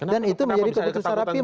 dan itu menjadi kebetulan rapimnas